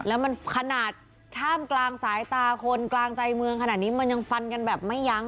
แล้วมันขนาดท่ามกลางสายตาคนกลางใจเมืองขนาดนี้มันยังฟันกันแบบไม่ยั้ง